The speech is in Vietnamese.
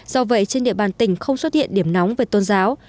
do vậy trên địa bàn tỉnh không xuất hiện điểm nóng về tôn giáo